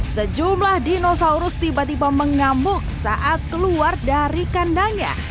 sejumlah dinosaurus tiba tiba mengamuk saat keluar dari kandangnya